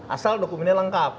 asal dokumennya lengkap